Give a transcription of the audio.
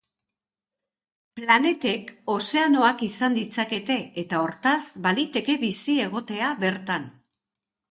Planetek ozeanoak izan ditzakete eta, hortaz, baliteke bizia egotea bertan.